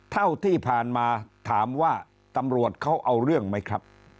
เท่าที่ผ่านมาถามว่าตำรวจเขาเอาเรื่องไหมครับ